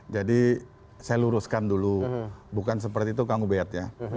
jadi saya luruskan dulu bukan seperti itu kang ubed ya